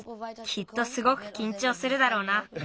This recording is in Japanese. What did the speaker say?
きっとすごくきんちょうするだろうな。